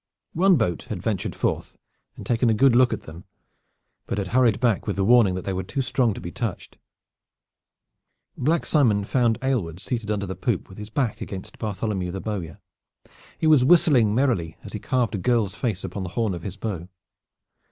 One boat had ventured forth and taken a good look at them, but had hurried back with the warning that they were too strong to be touched. Black Simon found Aylward seated under the poop with his back, against Bartholomew the bowyer. He was whistling merrily as he carved a girl's face upon the horn of his bow.